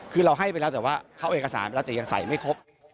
คือเราให้ไปแล้วแต่ว่าเข้าเอกสารไปแล้วแต่ยังใส่ไม่ครบ